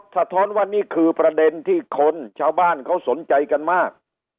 สะท้อนว่านี่คือประเด็นที่คนชาวบ้านเขาสนใจกันมาก